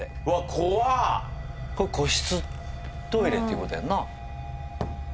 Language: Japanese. これ個室トイレっていうことやんな。